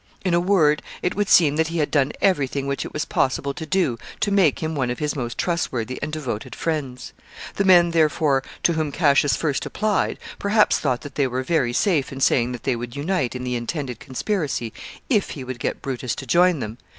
In a word, it would seem that he had done every thing which it was possible to do to make him one of his most trustworthy and devoted friends. The men, therefore, to whom Cassius first applied, perhaps thought that they were very safe in saying that they would unite in the intended conspiracy if he would get Brutus to join them.